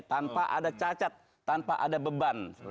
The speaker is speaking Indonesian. tanpa ada cacat tanpa ada beban